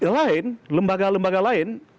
lain lembaga lembaga lain